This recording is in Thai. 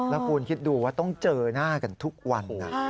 แล้วคุณคิดดูว่าต้องเจอหน้ากันทุกวัน